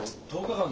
１０日間？